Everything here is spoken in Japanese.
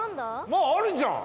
「もうあるじゃん！」